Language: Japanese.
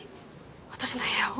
私の部屋を？